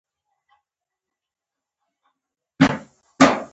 ظفرنامه د هغو افغاني قبیلو نومونه یادوي.